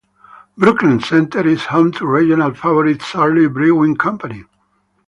Brooklyn Center is home to regional favorite Surly Brewing Company.